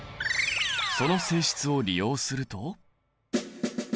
その性質を利用すると。